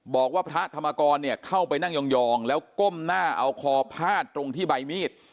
บอกว่าพระธรรมกรเนี่ยเข้าไปนั่งยองแล้วก้มหน้าเอาคอพาดตรงที่ใบมีด